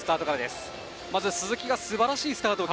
まず鈴木がすばらしいスタート。